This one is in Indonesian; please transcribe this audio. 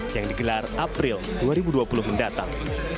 yang digelar april dua ribu dua puluh mendatang